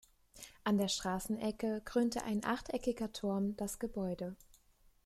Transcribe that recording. An der Straßenecke krönte ein achteckiger Turm das Gebäude.